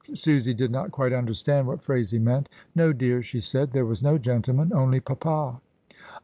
Susy did not quite understand what Phraisie meant "No, dear," she said, "there was no gentleman, only papa."